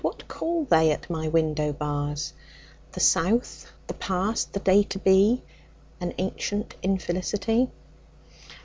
What call they at my window bars? The South, the past, the day to be, An ancient infelicity.